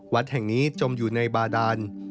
วัดแห่งนี้จมอยู่ในบาดาน